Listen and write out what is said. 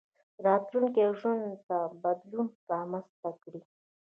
راتلونکي ژوند ته بدلون رامنځته کړئ.